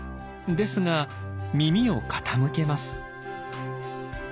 ですが耳を傾けます。